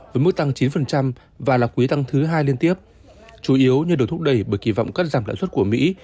với mức tăng chín và là quý tăng thứ hai liên tiếp chủ yếu như được thúc đẩy bởi kỳ vọng cắt giảm lãi suất của mỹ